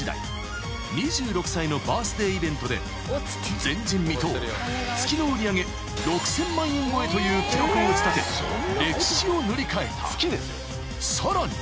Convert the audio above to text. ［２６歳のバースデーイベントで前人未到月の売り上げ６，０００万円超えという記録を打ち立て歴史を塗り替えた］